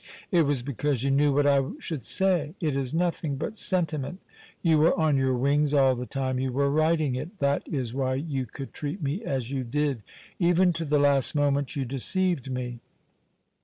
It was because you knew what I should say. It is nothing but sentiment. You were on your wings all the time you were writing it. That is why you could treat me as you did. Even to the last moment you deceived me.